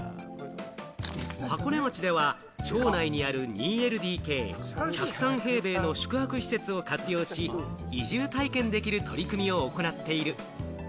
箱根町では、町内にある２ＬＤＫ、１０３平米の宿泊施設を活用し、移住体験できる取り組みを行っている。